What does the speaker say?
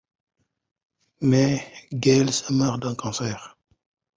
Mais Gail se meurt d'un cancer.